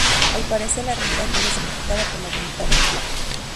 Al parecer, la realidad puede ser modificada por la Voluntad en Tlön.